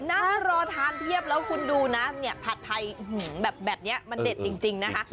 นั่งรอทานเพียบแล้วคุณดูนะเนี่ยผัดไทยแบบนี้มันเด็ดจริงนะคะ